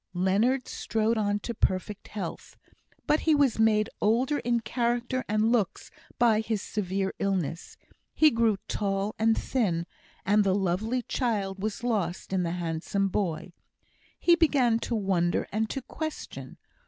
Leonard strode on to perfect health; but he was made older in character and looks by his severe illness. He grew tall and thin, and the lovely child was lost in the handsome boy. He began to wonder, and to question.